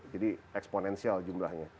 jadi eksponensial jumlahnya